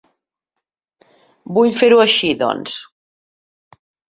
Vull fer-ho així doncs.